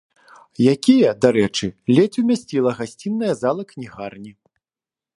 Якія, дарэчы, ледзь умясціла гасцінная зала кнігарні.